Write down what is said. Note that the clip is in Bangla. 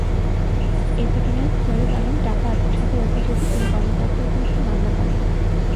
এ ঘটনায় ছৈয়দ আলম টাকা আত্মসাতের অভিযোগে তিন কর্মকর্তার বিরুদ্ধে মামলা করেন।